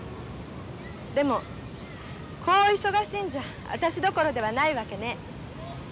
でもこう忙しいんじゃ私どころではないわけね。